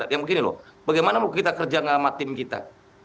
yang begini loh bagaimana kita kerja dengan tim kita